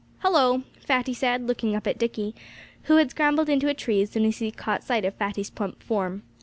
"Hullo!" Fatty said, looking up at Dickie, who had scrambled into a tree as soon as he caught sight of Fatty's plump form.